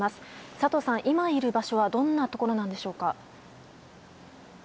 佐藤さん、今いる場所はどんなところでしょうか。